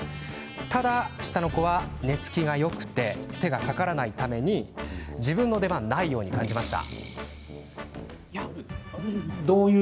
しかし、下の子は寝つきがよく手がかからないため自分の出番はないように感じました。